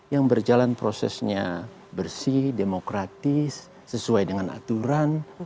yang berjalan prosesnya bersih demokratis sesuai dengan aturan